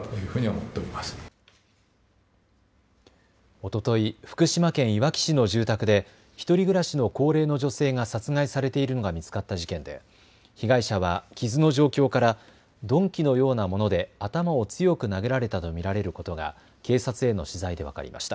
おととい福島県いわき市の住宅で１人暮らしの高齢の女性が殺害されているのが見つかった事件で被害者は傷の状況から鈍器のようなもので頭を強く殴られたと見られることが警察への取材で分かりました。